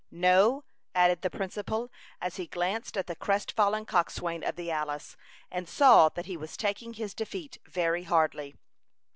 "No," added the principal, as he glanced at the crest fallen coxswain of the Alice, and saw that he was taking his defeat very hardly.